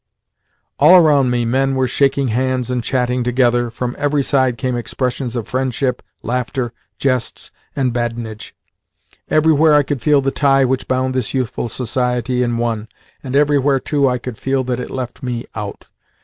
All around me men were shaking hands and chatting together from every side came expressions of friendship, laughter, jests, and badinage. Everywhere I could feel the tie which bound this youthful society in one, and everywhere, too, I could feel that it left me out.